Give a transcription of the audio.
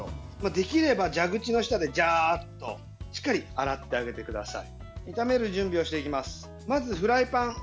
できれば蛇口の下で、じゃーっとしっかり洗ってあげてください。